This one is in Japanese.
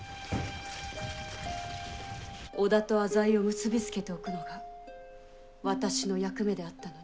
織田と浅井を結び付けておくのが私の役目であったのに。